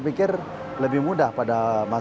saya pikir lebih mudah pada masa masa yang akan datang